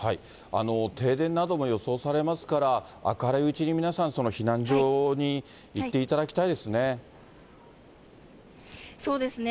停電なども予想されますから、明るいうちに皆さん、避難所に行っていただきたいですね。